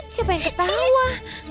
siapa yang ketawa